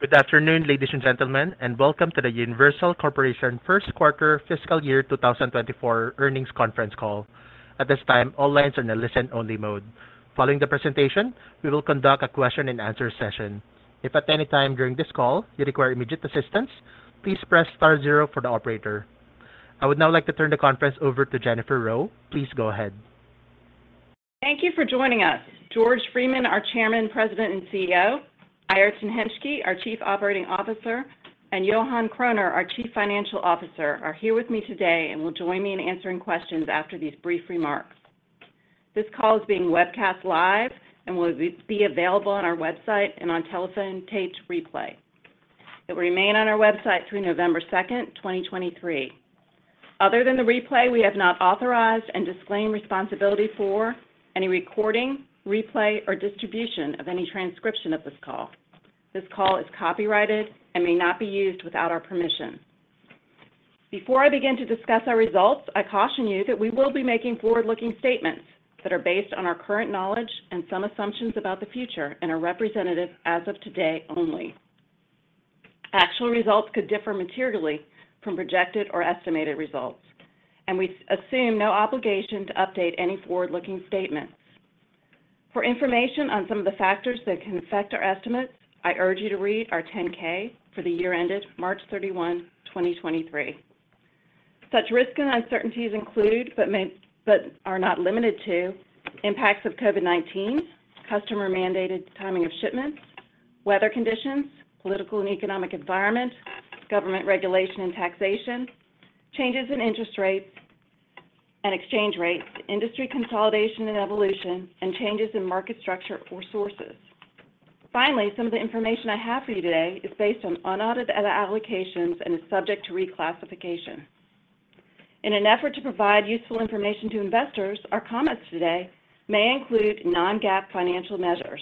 Good afternoon, ladies and gentlemen, welcome to the Universal Corporation first quarter fiscal year 2024 earnings conference call. At this time, all lines are in a listen-only mode. Following the presentation, we will conduct a question-and-answer session. If at any time during this call you require immediate assistance, please press star-zero for the operator. I would now like to turn the conference over to Jennifer Rowe. Please go ahead. Thank you for joining us. George Freeman, our Chairman, President, and CEO, Airton Hentschke, our Chief Operating Officer, and Johan Kroner, our Chief Financial Officer, are here with me today and will join me in answering questions after these brief remarks. This call is being webcast live and will be available on our website and on telephone tape replay. It will remain on our website through November 2nd, 2023. Other than the replay, we have not authorized and disclaim responsibility for any recording, replay, or distribution of any transcription of this call. This call is copyrighted and may not be used without our permission. Before I begin to discuss our results, I caution you that we will be making forward-looking statements that are based on our current knowledge and some assumptions about the future and are representative as of today only. Actual results could differ materially from projected or estimated results. We assume no obligation to update any forward-looking statements. For information on some of the factors that can affect our estimates, I urge you to read our Form 10-K for the year ended March 31, 2023. Such risks and uncertainties include, but are not limited to, impacts of COVID-19, customer-mandated timing of shipments, weather conditions, political and economic environment, government regulation and taxation, changes in interest rates and exchange rates, industry consolidation and evolution, and changes in market structure or sources. Some of the information I have for you today is based on unaudited allocations and is subject to reclassification. In an effort to provide useful information to investors, our comments today may include non-GAAP financial measures.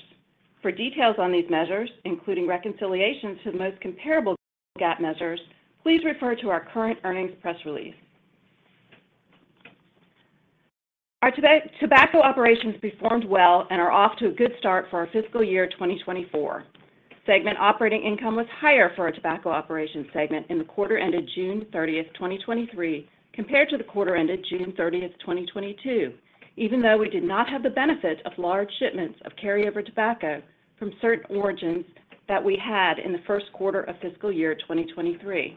For details on these measures, including reconciliations to the most comparable GAAP measures, please refer to our current earnings press release. Our tobacco operations performed well and are off to a good start for our fiscal year 2024. Segment operating income was higher for our Tobacco Operations segment in the quarter ended June 30th, 2023, compared to the quarter ended June 30th, 2022, even though we did not have the benefit of large shipments of carryover tobacco from certain origins that we had in the first quarter of fiscal year 2023.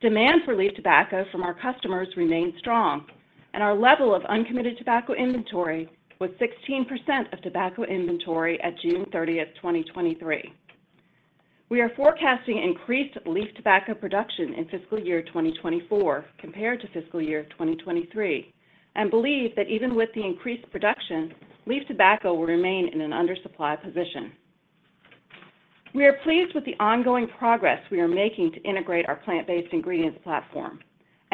Demand for leaf tobacco from our customers remained strong, and our level of uncommitted tobacco inventory was 16% of tobacco inventory at June 30th, 2023. We are forecasting increased leaf tobacco production in fiscal year 2024 compared to fiscal year 2023, and believe that even with the increased production, leaf tobacco will remain in an undersupply position. We are pleased with the ongoing progress we are making to integrate our plant-based ingredients platform,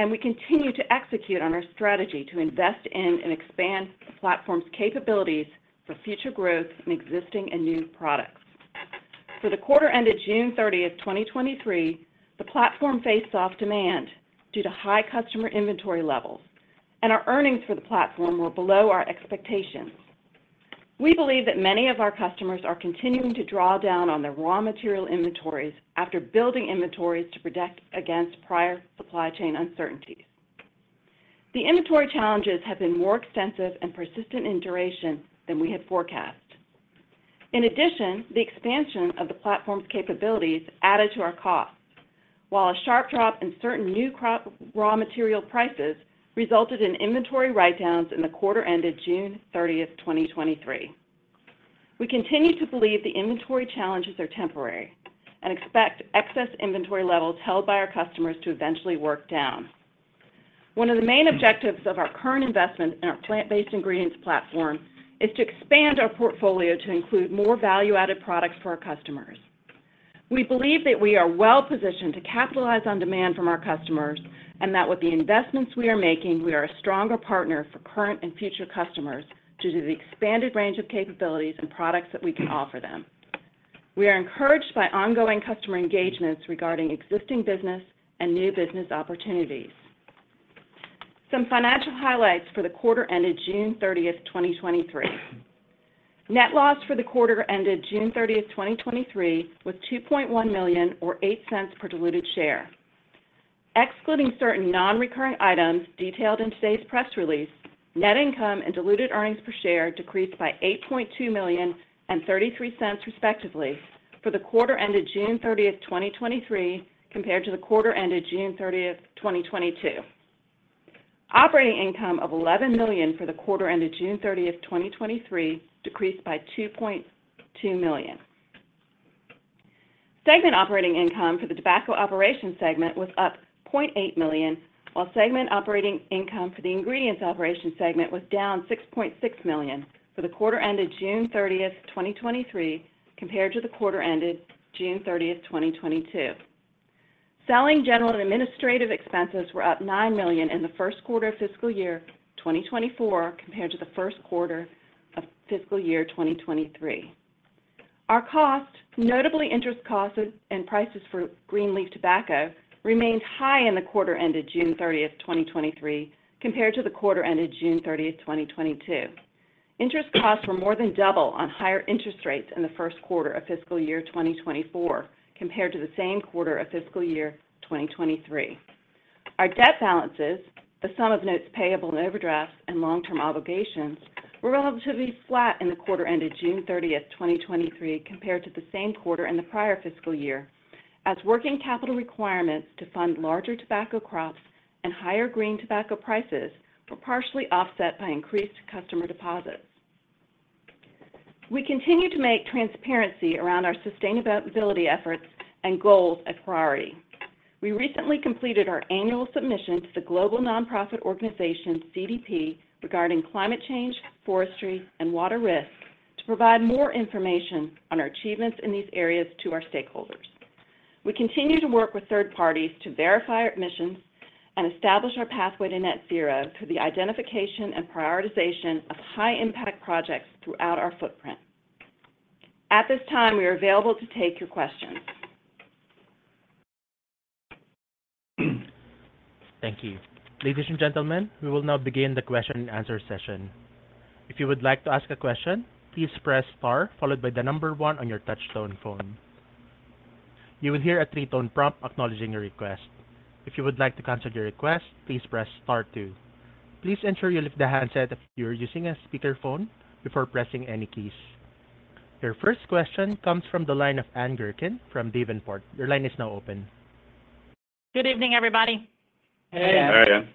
and we continue to execute on our strategy to invest in and expand the platform's capabilities for future growth in existing and new products. For the quarter ended June 30th, 2023, the platform faced soft demand due to high customer inventory levels, and our earnings for the platform were below our expectations. We believe that many of our customers are continuing to draw down on their raw material inventories after building inventories to protect against prior supply chain uncertainties. The inventory challenges have been more extensive and persistent in duration than we had forecast. In addition, the expansion of the platform's capabilities added to our costs, while a sharp drop in certain new crop raw material prices resulted in inventory write-downs in the quarter ended June 30th, 2023. We continue to believe the inventory challenges are temporary and expect excess inventory levels held by our customers to eventually work down. One of the main objectives of our current investment in our plant-based ingredients platform is to expand our portfolio to include more value-added products for our customers. We believe that we are well positioned to capitalize on demand from our customers and that with the investments we are making, we are a stronger partner for current and future customers due to the expanded range of capabilities and products that we can offer them. We are encouraged by ongoing customer engagements regarding existing business and new business opportunities. Some financial highlights for the quarter ended June 30th, 2023. Net loss for the quarter ended June 30th, 2023, was $2.1 million, or $0.08 per diluted share. Excluding certain non-recurring items detailed in today's press release, net income and diluted earnings per share decreased by $8.2 million and $0.33, respectively, for the quarter ended June 30th, 2023, compared to the quarter ended June 30th, 2022. Operating income of $11 million for the quarter ended June 30th, 2023, decreased by $2.2 million. Segment operating income for the Tobacco Operations segment was up $0.8 million, while segment operating income for the Ingredients Operations segment was down $6.6 million for the quarter ended June 30th, 2023, compared to the quarter ended June 30th, 2022. Selling, general and administrative expenses were up $9 million in the first quarter of fiscal year 2024 compared to the first quarter of fiscal year 2023. Our costs, notably interest costs and prices for green leaf tobacco, remained high in the quarter ended June 30th, 2023, compared to the quarter ended June 30th, 2022. Interest costs were more than double on higher interest rates in the First Quarter Fiscal Year 2024, compared to the same quarter of fiscal year 2023. Our debt balances, the sum of notes payable and overdrafts, and long-term obligations, were relatively flat in the quarter ended June 30th, 2023, compared to the same quarter in the prior fiscal year, as working capital requirements to fund larger tobacco crops and higher grain tobacco prices were partially offset by increased customer deposits. We continue to make transparency around our sustainability efforts and goals a priority. We recently completed our annual submission to the global nonprofit organization, CDP, regarding climate change, forestry, and water risk to provide more information on our achievements in these areas to our stakeholders. We continue to work with third-parties to verify our emissions and establish our pathway to net zero through the identification and prioritization of high-impact projects throughout our footprint. At this time, we are available to take your questions. Thank you. Ladies and gentlemen, we will now begin the question-and-answer session. If you would like to ask a question, please press star followed by the number one on your touchtone phone. You will hear a three-tone prompt acknowledging your request. If you would like to cancel your request, please press star-two. Please ensure you lift the handset if you are using a speakerphone before pressing any keys. Your first question comes from the line of Ann Gurkin from Davenport. Your line is now open. Good evening, everybody. Hey, Ann. Hi, Ann.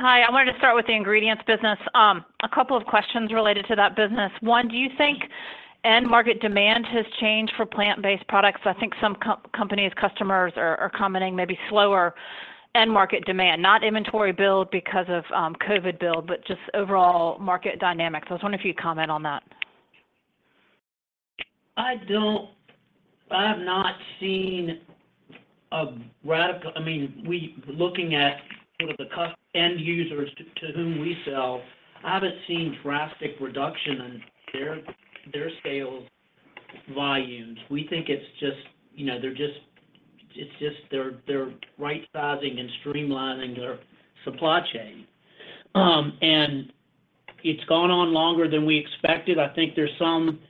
Hi, I wanted to start with the ingredients business. A couple of questions related to that business. One, do you think end market demand has changed for plant-based products? I think some companies, customers are, are commenting, maybe slower end market demand, not inventory build because of COVID build, just overall market dynamics. I was wondering if you'd comment on that. Looking at sort of the end users to whom we sell, I haven't seen drastic reduction in their sales volumes. We think it's just they're right-sizing and streamlining their supply chain. It's gone on longer than we expected. I think there's some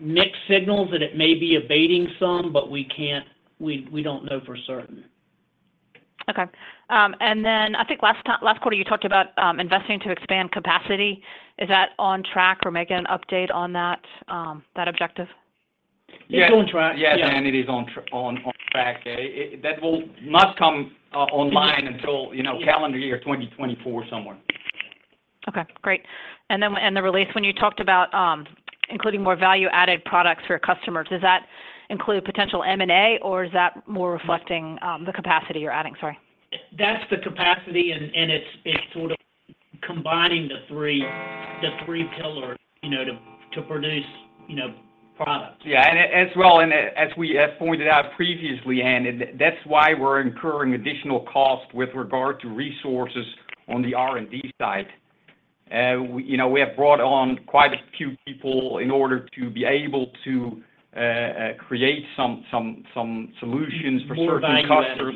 mixed signals that it may be abating some, but we don't know for certain. Okay. I think last time, last quarter, you talked about investing to expand capacity. Is that on track, or maybe an update on that objective? It's on track. Yes, Ann, it is on track. That must come online until, you know, calendar year 2024 somewhere. Okay, great. In the release, when you talked about including more value-added products for your customers, does that include potential M&A, or is that more reflecting the capacity you're adding? Sorry. That's the capacity, and it's sort of combining the three pillars, you know, to produce, you know, products. Yeah, and as well, and as we have pointed out previously, Ann, and that's why we're incurring additional costs with regard to resources on the R&D side. We have brought on quite a few people in order to be able to create some solutions for certain customers,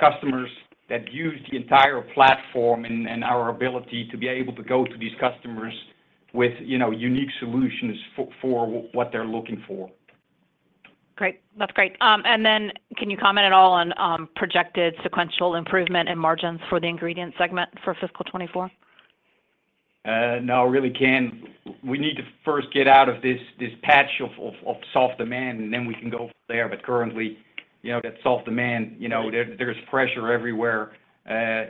customers, that use the entire platform and our ability to be able to go to these customers with, you know, unique solutions for what they're looking for. Great. That's great. Can you comment at all on projected sequential improvement in margins for the ingredients segment for fiscal 2024? No, I really can't. We need to first get out of this patch of soft demand, and then we can go from there. Currently, you know, that soft demand, you know, there's pressure everywhere,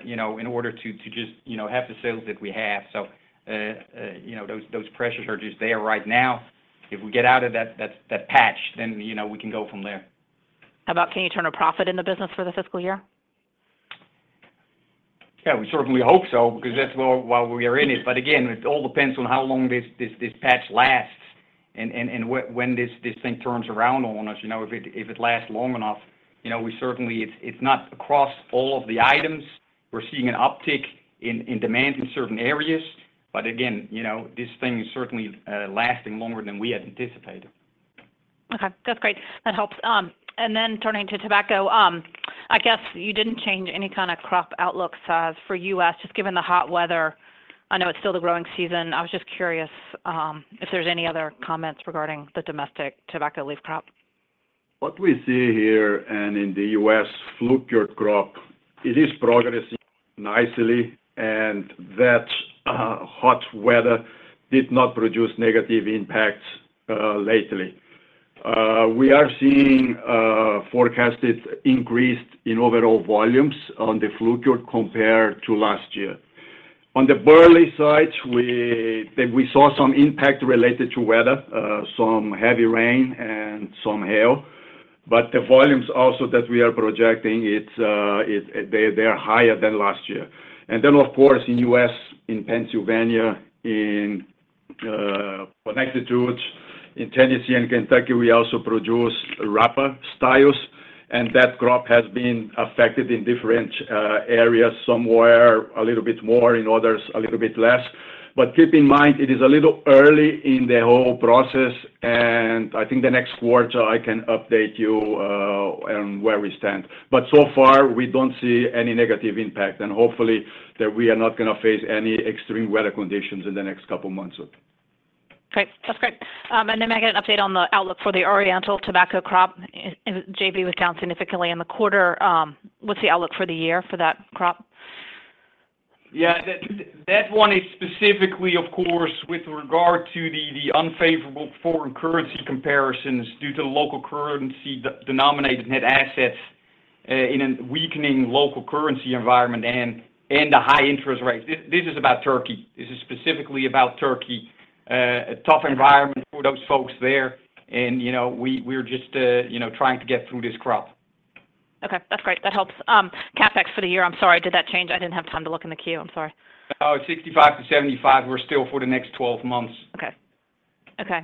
you know, in order to just, you know, have the sales that we have. You know, those pressures are just there right now. If we get out of that patch, then, you know, we can go from there. How about, can you turn a profit in the business for the fiscal year? Yeah, we certainly hope so, because that's why we are in it. Again, it all depends on how long this patch lasts and when this thing turns around on us, you know, if it lasts long enough. You know, we certainly, it's not across all of the items. We're seeing an uptick in, in demand in certain areas, but again, you know, this thing is certainly lasting longer than we had anticipated. Okay, that's great. That helps. Turning to tobacco, I guess you didn't change any kind of crop outlook size for U.S., just given the hot weather. I know it's still the growing season. I was just curious, if there's any other comments regarding the domestic tobacco leaf crop? What we see here and in the U.S. flue-cured crop, it is progressing nicely, and that hot weather did not produce negative impacts lately. We are seeing forecasted increase in overall volumes on the flue-cured compared to last year. On the burley side, we saw some impact related to weather, some heavy rain and some hail, but the volumes also that we are projecting, they are higher than last year. Of course, in U.S., in Pennsylvania, in Connecticut, in Tennessee, and Kentucky, we also produce wrapper styles, and that crop has been affected in different areas, somewhere a little bit more, in others, a little bit less. Keep in mind, it is a little early in the whole process, and I think the next quarter, I can update you on where we stand. So far, we don't see any negative impact, and hopefully, that we are not going to face any extreme weather conditions in the next couple of months. Okay, that's great. May I get an update on the outlook for the Oriental tobacco crop? It JB was down significantly in the quarter. What's the outlook for the year for that crop? Yeah, that one is specifically, of course, with regard to the unfavorable foreign currency comparisons due to the local currency de- denominated net assets, in a weakening local currency environment and the high interest rates. This, this is about Turkey. This is specifically about Turkey. A tough environment for those folks there. You know, we're just, you know, trying to get through this crop. Okay, that's great. That helps. CapEx for the year, I'm sorry, did that change? I didn't have time to look in the Q. I'm sorry. Oh, 65-75, we're still for the next 12 months. Okay.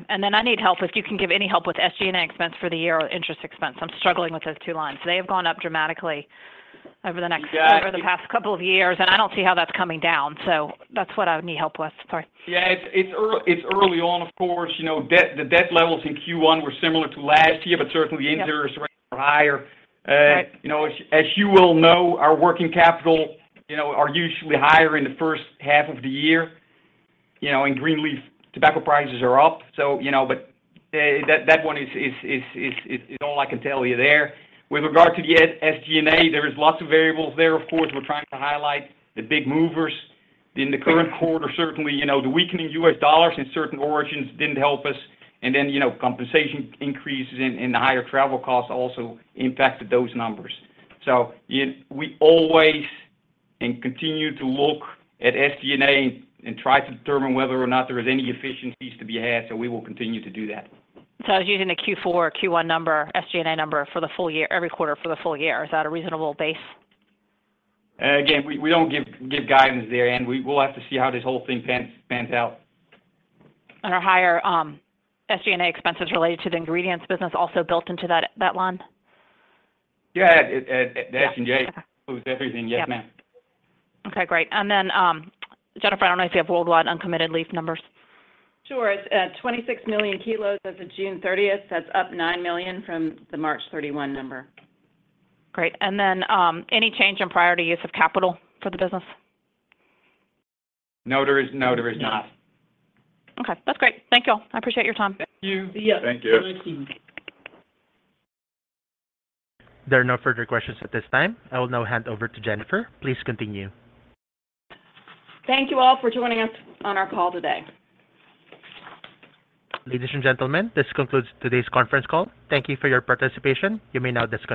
And then I need help, if you can give any help with SG&A expense for the year or interest expense. I'm struggling with those two lines. They have gone up dramatically over the next over the past couple of years, and I don't see how that's coming down, so that's what I would need help with. Sorry. Yeah. It's early on, of course, you know, the debt levels in Q1 were similar to last year, certainly. the interest rates are higher. You know, as, as you well know, our working capital, you know, are usually higher in the first half of the year, you know, and green leaf tobacco prices are up. You know, but that one is all I can tell you there. With regard to the SG&A, there is lots of variables there. Of course, we're trying to highlight the big movers in the current quarter. Certainly, you know, the weakening U.S. dollar in certain origins didn't help us. Then, you know, compensation increases and the higher travel costs also impacted those numbers. We always and continue to look at SG&A and try to determine whether or not there is any efficiencies to be had, so we will continue to do that. I was using the Q4, Q1 number, SG&A number for the full year, every quarter for the full year. Is that a reasonable base? Again, we don't give guidance there, and we will have to see how this whole thing pans out. Are higher, SG&A expenses related to the ingredients business also built into that line? Yeah, includes everything. Yes, ma'am. Okay, great. Jennifer, I don't know if you have worldwide uncommitted leaf numbers. Sure. It's, 26 million kg as of June 30th. That's up 9 million kg from the March 31 number. Great. Any change in priority use of capital for the business? No, there is not. Okay, that's great. Thank you all. I appreciate your time. Thank you. There are no further questions at this time. I will now hand over to Jennifer. Please continue. Thank you all for joining us on our call today. Ladies and gentlemen, this concludes today's conference call. Thank you for your participation. You may now disconnect.